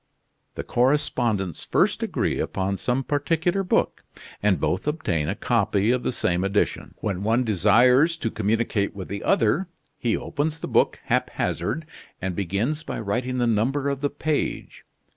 The correspondents first agree upon some particular book; and both obtain a copy of the same edition. When one desires to communicate with the other, he opens the book haphazard, and begins by writing the number of the page.